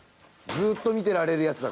ずっと見てられるやつだ